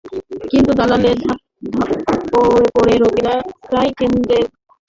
কিন্তু দালালের খপ্পরে পড়ে রোগীরা প্রায়ই কেন্দ্রের আশপাশের ক্লিনিকে চলে যান।